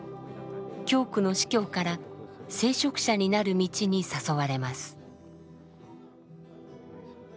教区の司教から聖職者になる道に誘われます。